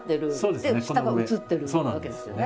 で下が映ってるわけですよね。